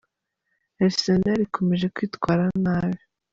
Arisenali ikomeje kwitwara nabi